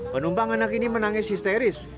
penumpang anak ini menangis histeris